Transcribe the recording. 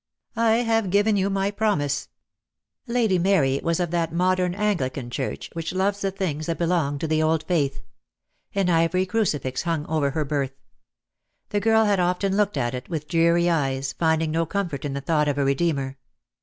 "I have given you my promise." Lady Mary was of that modern Anglican Church which loves the things that belong to the old Faith. An ivory crucifix hung over her berth. The girl had often looked at it, with dreary eyes, finding no comfort in the thought of a Redeemer.